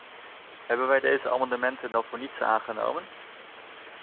Hebben wij deze amendementen dan voor niets aangenomen?